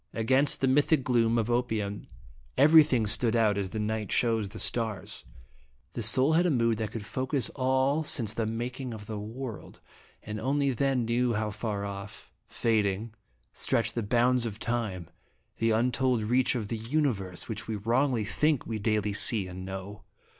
Against the mystic gloom of opium everything stood out as the night shows the stars ; the soul had a mood that could focus All since the making of the world, and only then knew how far off, fading, stretch the bounds of Time, the untold reach of the Universe, which we wrongly think we daily see and know.